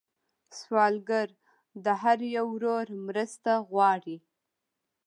سوالګر د هر یو ورور مرسته غواړي